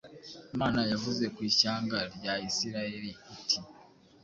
Imana yavuze ku ishyanga rya Isirayeli iti: